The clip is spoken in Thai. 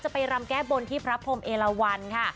ไปรำแก้บนที่พระพรมเอลวันค่ะ